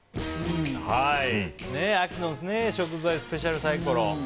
秋の食材スペシャルサイコロ。